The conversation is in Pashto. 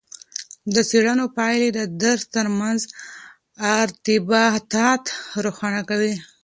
د څیړنو پایلې د درس ترمنځ ارتباطات روښانه کوي.